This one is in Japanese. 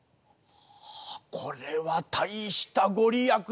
はあこれは大した御利益だ。